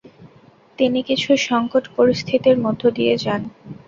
তিনি কিছু সংকট পরিস্থিতির মধ্য দিয়ে যান।